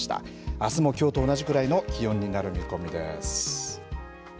あすもきょうと同じくらいの気温になる見込みです。